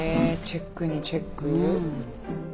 へえチェックにチェック？